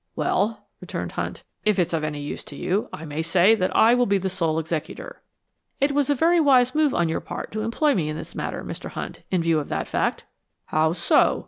"Well," returned Hunt, "if it's of any use to you, I may say that I will be the sole executor." "It was a very wise move on your part to employ me in this matter, Mr. Hunt, in view of that fact." "How so?"